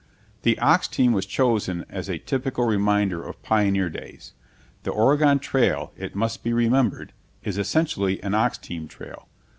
The ox team was chosen as a typical reminder of pioneer days. The Oregon Trail, it must be remembered, is essentially an ox team trail.